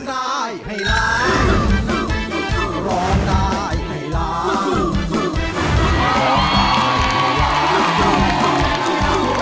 ร้องได้ร้องได้